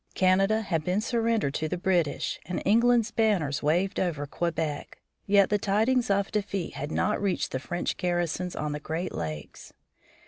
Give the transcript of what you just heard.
Canada had been surrendered to the British, and England's banners waved over Quebec. Yet the tidings of defeat had not reached the French garrisons on the Great Lakes.